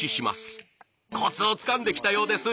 コツをつかんできたようです。